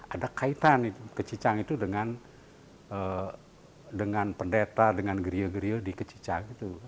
ada kaitan kecicang itu dengan pendeta dengan geril geril di kecicang itu